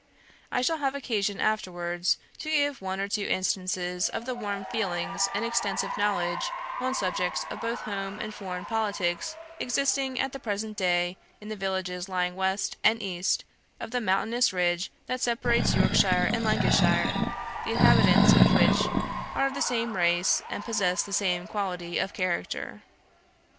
I shall have occasion afterwards to give one or two instances of the warm feelings and extensive knowledge on subjects of both home and foreign politics existing at the present day in the villages lying west and east of the mountainous ridge that separates Yorkshire and Lancashire; the inhabitants of which are of the same race and possess the same quality of character.